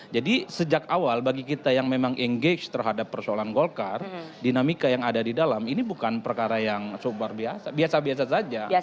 jadi sejak awal bagi kita yang memang engage terhadap persoalan golkar dinamika yang ada di dalam ini bukan perkara yang super biasa biasa biasa saja